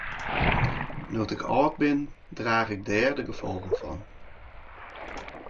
No't ik âld bin draach ik dêr de gefolgen fan.